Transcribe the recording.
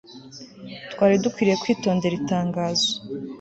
twari dukwiye kwitondera itangazo